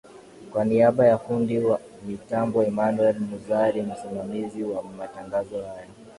kwa niaba ya fundi mitambo enamuel muzari msimamizi wa matangazo haya